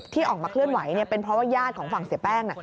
ที่ออกมาเคลื่อนไหวเป็นเพราะว่าญาติของฝั่งเสียแป้ง